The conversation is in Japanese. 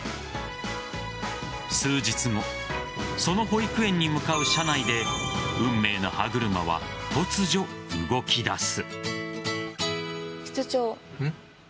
数日後その保育園に向かう車内で運命の歯車は突如、動き出す。